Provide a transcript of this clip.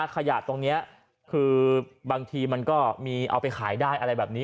ขยะตรงนี้คือบางทีมันก็มีเอาไปขายได้อะไรแบบนี้